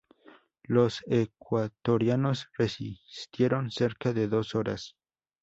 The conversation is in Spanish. Los ecuatorianos resistieron cerca de dos horas.